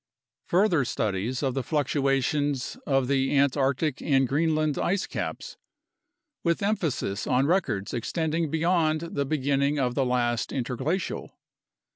Further studies of the fluctuations of the Antarctic and Greenland ice caps, with emphasis on records extending beyond the beginning of the last interglacial.